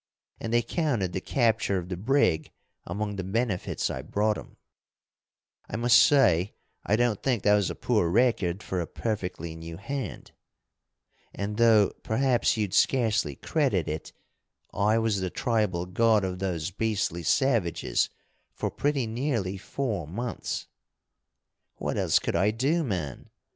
And they counted the capture of the brig among the benefits I brought 'em. I must say I don't think that was a poor record for a perfectly new hand. And, though perhaps you'd scarcely credit it, I was the tribal god of those beastly savages for pretty nearly four months.... "What else could I do, man?